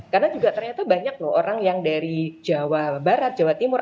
karena juga ternyata banyak loh orang yang dari jawa barat jawa timur